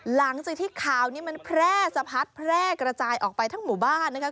หลังจากที่ข่าวนี้มันแพร่สะพัดแพร่กระจายออกไปทั้งหมู่บ้านนะคะ